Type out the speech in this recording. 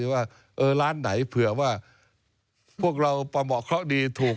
ว่าร้านไหนเผื่อว่าพวกเราประเหมาะเคราะห์ดีถูก